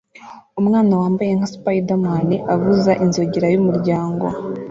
Umwana wambaye nka Spiderman avuza inzogera y'umuryango